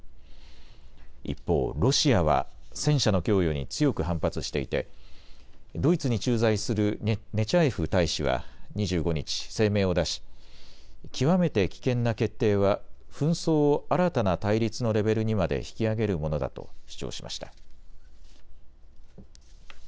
一方、ロシアは戦車の供与に強く反発していてドイツに駐在するネチャエフ大使は２５日、声明を出し極めて危険な決定は紛争を新たな対立のレベルにまで引き上げるものだと主張しました。